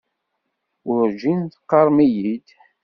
Werǧin teɣɣarem-iyi-d.